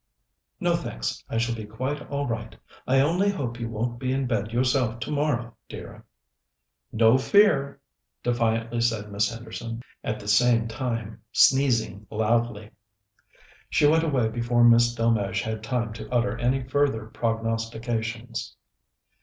"No, thanks. I shall be quite all right. I only hope you won't be in bed yourself tomorrow, dear." "No fear!" defiantly said Miss Henderson, at the same time sneezing loudly. She went away before Miss Delmege had time to utter any further prognostications.